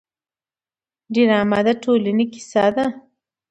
ډرامه د ټولنې کیسه ده